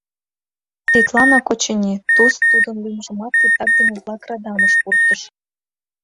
Тидланак, очыни, Туз тудын лӱмжымат титакдыме-влак радамыш пуртыш.